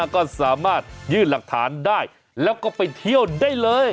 ก็สามารถยื่นหลักฐานได้แล้วก็ไปเที่ยวได้เลย